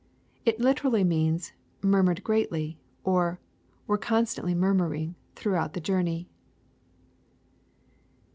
It means literally "murmured greatly,' or " were constantly murmuring" throughout the journey.